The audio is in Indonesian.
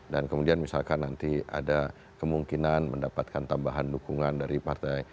dan kemudian misalkan nanti ada kemungkinan mendapatkan tambahan dukungan dari partai